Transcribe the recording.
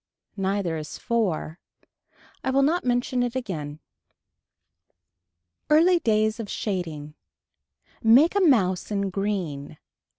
Neither is four. I will not mention it again. Early days of shading. Make a mouse in green.